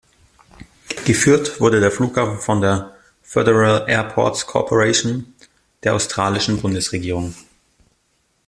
Geführt wurde der Flughafen von der "Federal Airports Corporation" der australischen Bundesregierung.